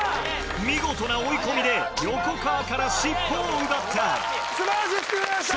見事な追い込みで横川からしっぽを奪った素晴らしいスピードでした。